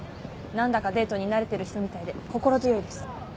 何だかデートに慣れてる人みたいで心強いです。